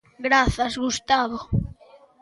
Grazas, Gustavo.